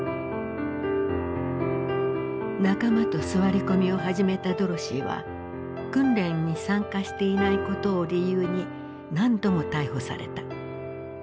仲間と座り込みを始めたドロシーは訓練に参加していないことを理由に何度も逮捕された。